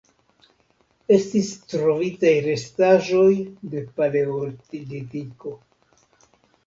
Estis trovitaj restaĵoj de Paleolitiko.